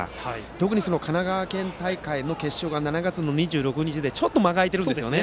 特に神奈川大会の決勝が７月２６日でちょっと間が空いているんですよね。